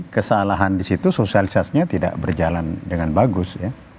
kesalahan di situ sosialisasinya tidak berjalan dengan bagus ya